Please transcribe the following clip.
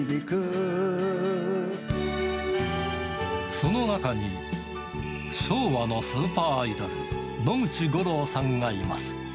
その中に、昭和のスーパーアイドル、野口五郎さんがいます。